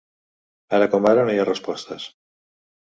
Ara com ara no hi ha respostes.